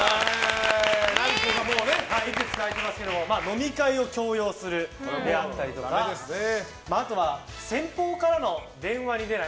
いくつか空欄が空いてますが飲み会を強要するであったりとかあとは、先方からの電話に出ない。